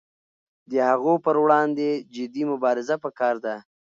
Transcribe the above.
د هغو پر وړاندې جدي مبارزه پکار ده.